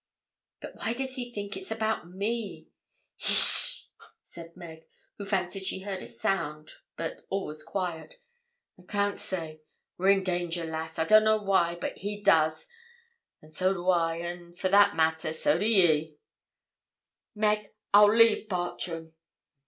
'But why does he think it's about me?' 'Hish!' said Meg, who fancied she heard a sound, but all was quiet. 'I can't say we're in danger, lass. I don't know why but he does, an' so do I, an', for that matter, so do ye.' 'Meg, I'll leave Bartram.'